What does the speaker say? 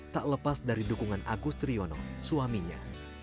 tak lepas dari dukungan agus triyono suaminya